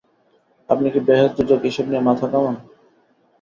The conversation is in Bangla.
আপনি কি বেহেশত-দোজখ এইসব নিয়ে মাথা ঘামান?